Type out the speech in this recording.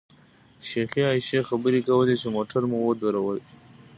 شیخې عایشې خبرې کولې چې موټر مو ودرېد.